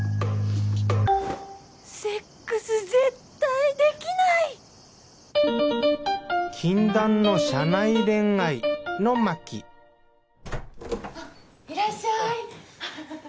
セックス絶対できない！禁断の社内恋愛の巻あっいらっしゃいアハハハ。